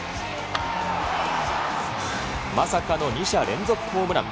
まさかの２者連続ホームラン。